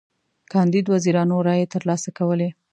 کاندید وزیرانو رایی تر لاسه کولې.